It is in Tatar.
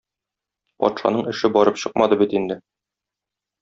Патшаның эше барып чыкмады бит инде.